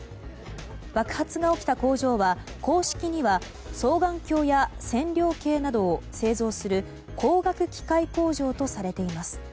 爆発が起きた工場は、公式には双眼鏡は線量計などを製造する光学機械工場とされています。